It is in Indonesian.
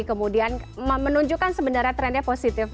kemudian menunjukkan sebenarnya trennya positif